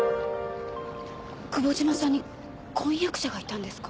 久保島さんに婚約者がいたんですか？